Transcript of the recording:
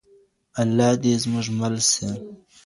الله دې زموږ مل سي.